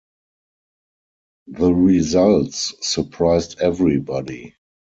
The results surprised everybody.